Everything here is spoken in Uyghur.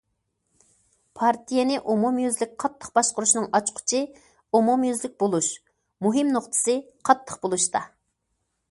پارتىيەنى ئومۇميۈزلۈك قاتتىق باشقۇرۇشنىڭ ئاچقۇچى ئومۇميۈزلۈك بولۇش، مۇھىم نۇقتىسى قاتتىق بولۇشتا.